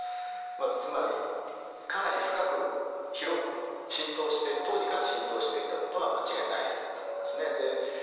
つまりかなり深く広く浸透して当時から浸透していたことは間違いないと思います。